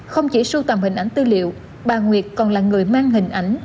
không chỉ sưu tầm hình ảnh tư liệu bà nguyệt còn là người mang hình ảnh